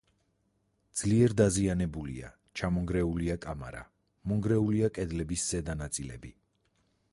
ძლიერ დაზიანებულია, ჩამონგრეულია კამარა, მონგრეულია კედლების ზედა ნაწილები.